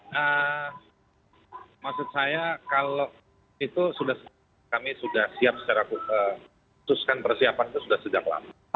nah maksud saya kalau itu sudah kami sudah siap secara khususkan persiapan itu sudah sejak lama